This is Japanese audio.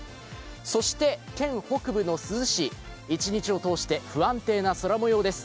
そして県北部の珠洲市一日を通して不安定な空もようです。